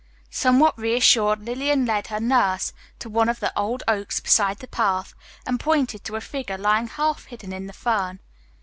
Somewhat reassured, Lillian led her nurse to one of the old oaks beside the path, and pointed to a figure lying half hidden in the fern.